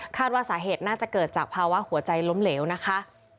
ว่าสาเหตุน่าจะเกิดจากภาวะหัวใจล้มเหลวนะคะ